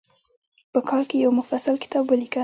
په کال کې یو مفصل کتاب ولیکه.